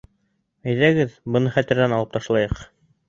Әйҙәгеҙ, быны хәтерҙән алып ташлайыҡ